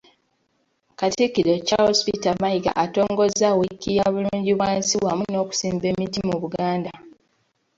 Katikkiro Charles Peter Mayiga atongozza wiiki ya Bulungibwansi wamu n'okusimba emiti mu Buganda.